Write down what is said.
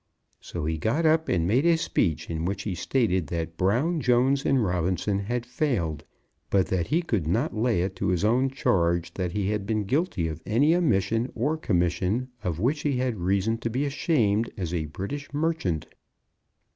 So he got up and made a speech, in which he stated that Brown, Jones, and Robinson had failed, but that he could not lay it to his own charge that he had been guilty of any omission or commission of which he had reason to be ashamed as a British merchant.